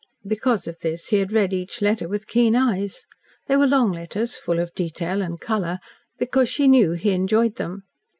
Because of this, he had read each letter with keen eyes. They were long letters, full of detail and colour, because she knew he enjoyed them.